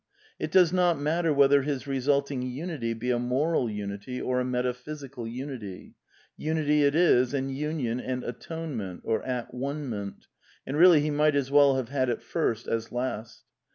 It does not matter whether his resulting unity be a moral unity, or a metaphysical unity; unity it is, and union and At one ment ; and really he might as well have had it first as last.